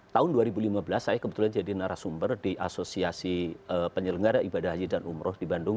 tahun dua ribu lima belas saya kebetulan jadi narasumber di asosiasi penyelenggara ibadah haji dan umroh di bandung